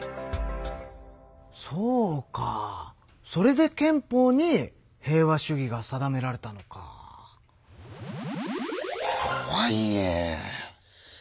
そうかそれで憲法に平和主義が定められたのか。とはいえ。